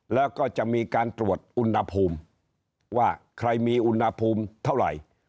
แล้วก็จะมีการตรวจอุณหภูมิว่าใครมีอุณหภูมิเท่าไหร่